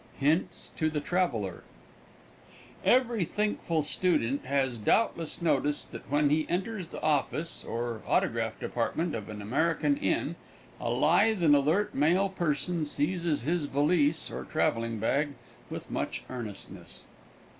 HINTS TO THE TRAVELER XX Every thinkful student has doubtless noticed that when he enters the office, or autograph department, of an American inn, a lithe and alert male person seizes his valise or traveling bag with much earnestness.